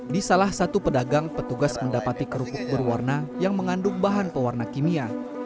di salah satu pedagang petugas mendapati kerupuk berwarna yang mengandung bahan pewarna kimia